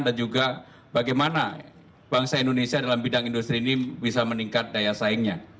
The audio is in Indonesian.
dan juga bagaimana bangsa indonesia dalam bidang industri ini bisa meningkat daya saingnya